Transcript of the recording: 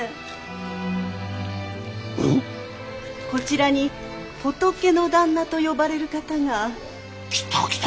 こちらに仏の旦那と呼ばれる方が。来た来た！